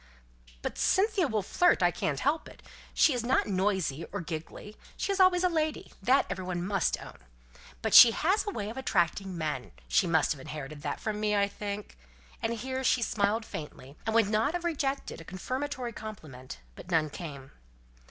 "But Cynthia will flirt, and I can't help it. She is not noisy, or giggling; she is always a lady that everybody must own. But she has a way of attracting men, she must have inherited from me, I think." And here she smiled faintly, and would not have rejected a confirmatory compliment, but none came.